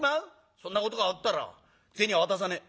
そんなことがあったら銭は渡さねえ」。